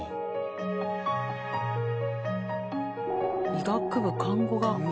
「医学部看護学科」。